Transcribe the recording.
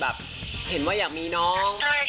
เห็นว่าอยากมีน้อง